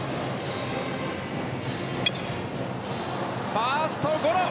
ファーストゴロ。